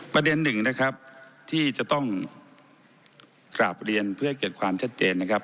ประเด็นหนึ่งนะครับที่จะต้องกราบเรียนเพื่อให้เกิดความชัดเจนนะครับ